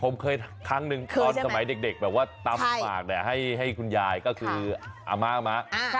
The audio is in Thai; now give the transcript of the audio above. ผมเคยครั้งหนึ่งตอนสมัยเด็กแบบว่าตำหมากให้คุณยายก็คืออาม่ามะ